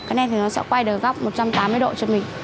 cái này thì nó sẽ quay được góc một trăm tám mươi độ cho mình